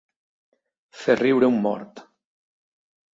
Fer riure un mort.